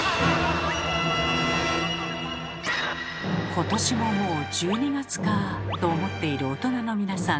「今年ももう１２月かあ」と思っている大人の皆さん。